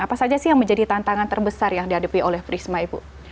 apa saja sih yang menjadi tantangan terbesar yang dihadapi oleh prisma ibu